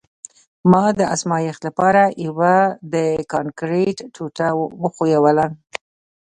ما د ازمایښت لپاره یوه د کانکریټ ټوټه وښویوله